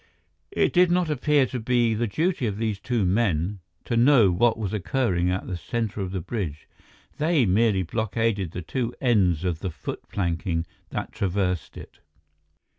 It did not appear to be the duty of these two men to know what was occurring at the center of the bridge; they merely blockaded the two ends of the foot planking that traversed it.